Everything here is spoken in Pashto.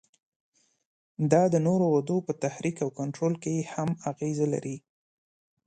دا د نورو غدو په تحریک او کنترول کې هم اغیزه لري.